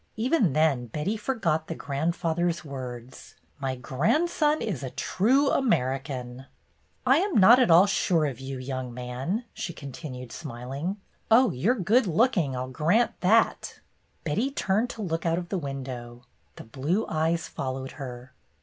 Even then Betty forgot the grandfather's words: "My grand son is a true American." 120 BETTY BAIRD'S GOLDEN YEAR "I am not at all sure of you, young man," she continued, smiling. ''Oh, you Ye good looking, I 'll grant that." Betty turned to look out of the window. The blue eyes followed her.